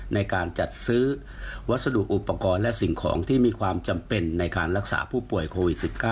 ในการจัดซื้อวัสดุอุปกรณ์และสิ่งของที่มีความจำเป็นในการรักษาผู้ป่วยโควิด๑๙